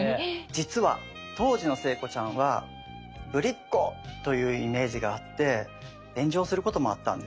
実は当時の聖子ちゃんはぶりっ子というイメージがあって炎上することもあったんです。